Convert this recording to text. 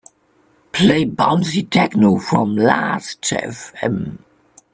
Play bouncy techno from Lastfm.